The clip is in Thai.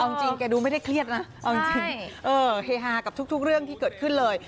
เอาจริงแกดูไม่ได้เครียดนะเอาจริงเฮฮากับทุกเรื่องที่เกิดขึ้นเลย